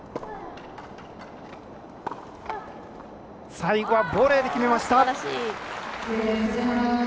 最後はボレーで決めました。